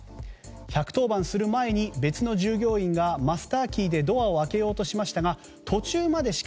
１１０番する前に別の従業員がマスターキーでドアを開けようとしましたが途中までしか